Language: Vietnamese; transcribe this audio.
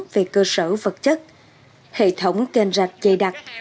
với cơ sở vật chất hệ thống kênh rạc dây đặc